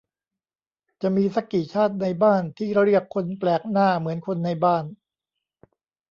"จะมีซักกี่ชาติในบ้านที่เรียกคนแปลกหน้า เหมือนคนในบ้าน"